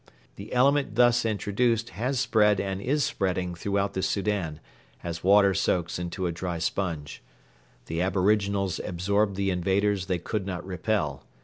The element thus introduced has spread and is spreading throughout the Soudan, as water soaks into a dry sponge. The aboriginals absorbed the invaders they could not repel.